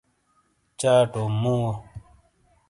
چاٹو مووہ